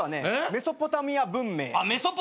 メソポタミア文明？